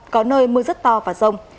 có nơi mưa rất to và rông